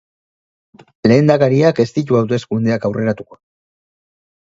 Lehendakariak ez ditu hauteskundeak aurreratuko.